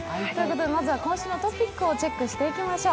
まずは、今週のトピックをチェックしていきましょう。